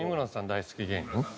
大好き芸人？